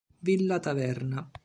Villa Taverna